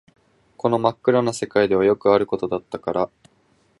この真っ暗な世界ではよくあることだったから